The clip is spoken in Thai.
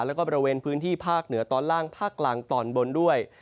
แล้วก็บริเวณพื้นที่ภาคเหนือตอนล่างภาคกลางตอนบนด้วย